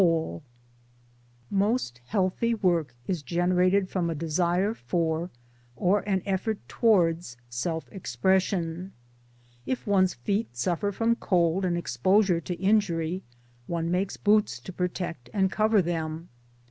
20 3p6 MY DAYS AND DREAJMS Most healthy work is generated from a desire for, or an effort towards, self expression. If one's feet suffer from cold and exposure to injury one makes boots to protect and cover them.